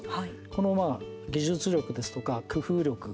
この技術力ですとか工夫力